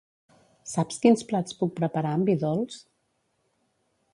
Saps quins plats puc preparar amb vi dolç?